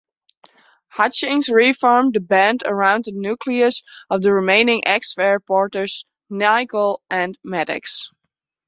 Hutchings reformed the band around the nucleus of the remaining ex-Fairporters Nicol and Mattacks.